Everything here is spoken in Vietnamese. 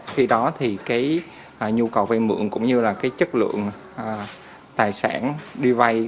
khi đó thì cái nhu cầu vay mượn cũng như là cái chất lượng tài sản đi vay